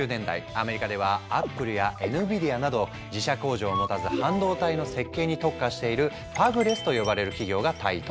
アメリカではアップルやエヌビディアなど自社工場を持たず半導体の設計に特化している「ファブレス」と呼ばれる企業が台頭。